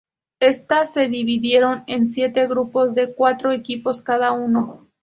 Estas se dividieron en siete grupos de cuatro equipos cada uno.